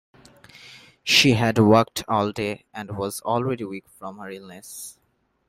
She had walked all day and was already weak from her illness.